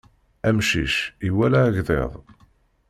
Amcic iwala agḍiḍ.